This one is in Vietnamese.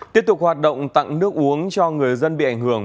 tiếp tục hoạt động tặng nước uống cho người dân bị ảnh hưởng